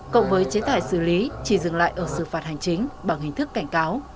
cộng với chế tài xử lý chỉ dừng lại ở xử phạt hành chính bằng hình thức cảnh cáo